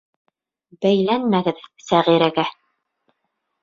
Бәйләнмәгеҙ Сәғирәгә!